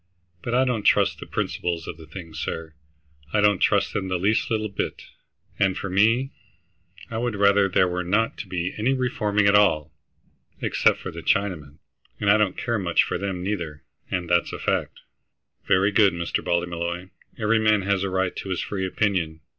But I don't trust the principles of the thing, sir; I don't trust them the least little bit, and for me I would rather there were not to be any reforming at all, except for the Chinamen, and I don't care much for them, neither, and that's a fact." "Very good, Mr. Ballymolloy. Every man has a right to his free opinion.